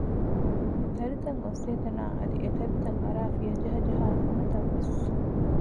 އެތަރިތައް އޮއްސޭތަނާއި އަދި އެތަރިތައް އަރައި ފިޔަޖަހަޖަހާ ހުންނަތަން ވެސް